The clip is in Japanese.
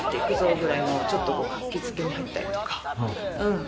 みたいな、ちょっと活気づけに入ったりとか。